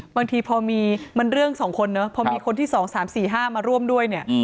บางทีพอมีมันเรื่องสองคนเนอะพอมีคนที่สองสามสี่ห้ามาร่วมด้วยเนี่ย